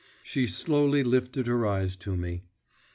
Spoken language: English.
… She slowly lifted her eyes to me.